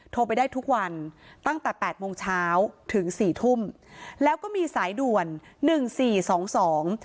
โทรไปได้ทุกวันตั้งแต่แปดโมงเช้าถึงสี่ทุ่มแล้วก็มีสายด่วนหนึ่งสี่สองสอง